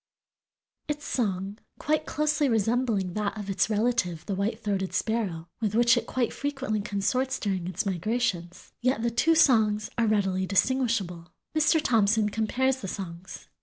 Its song, quite closely resembling that of its relative the white throated sparrow, with which it quite frequently consorts during its migrations, yet the two songs are readily distinguishable. Mr. Thompson compares the songs.